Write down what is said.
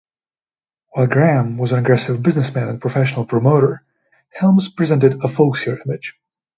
While Graham was an aggressive businessman and professional promoter, Helms presented a folksier image.